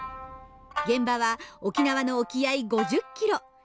現場は沖縄の沖合い５０キロ。